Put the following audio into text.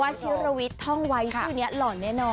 วัชิรวิตท่องวัยชื่อนี้หล่อนแน่นอน